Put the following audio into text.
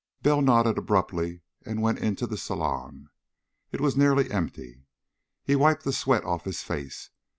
Bell nodded abruptly and went into the saloon. It was nearly empty. He wiped the sweat off his face.